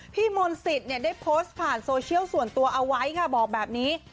มนศิษย์ได้โพสต์ผ่านโซเชียลส่วนตัวเอาไว้ค่ะบอกแบบนี้